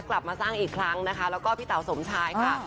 กลับมาสร้างอีกครั้งนะคะแล้วก็พี่เต๋าสมชายค่ะ